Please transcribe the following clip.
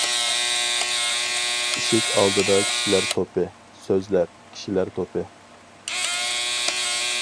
ئىشىك ئالدىدا كىشىلەر توپى، سۆزلەر، كىشىلەر توپى.